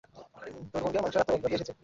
তোর বোনকে মাংস রাঁধতে বল, রকি এসেছে।